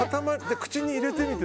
口に入れてみて。